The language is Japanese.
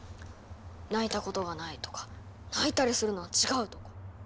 泣いたことがないとか泣いたりするのは違うとか。